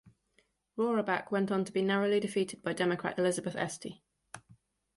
Roraback went on to be narrowly defeated by Democrat Elizabeth Esty.